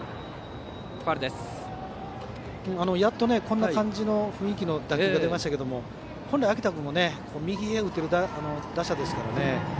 やっとこんな感じの雰囲気の打球が出ましたが本来、秋田君も右へ打てる打者ですからね。